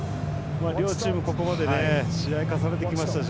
両チームここまで試合重ねてきましたし